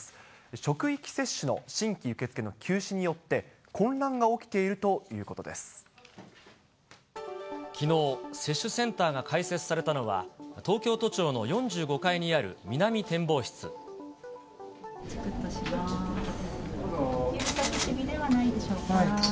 職域接種の新規受け付けの休止によって、混乱が起きているというきのう、接種センターが開設されたのは、ちくっとします。